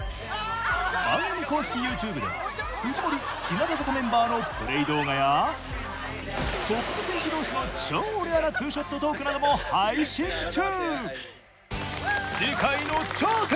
番組公式ＹｏｕＴｕｂｅでは藤森日向坂メンバーのプレイ動画やトップ選手同士の超レアな２ショットトークなども配信中。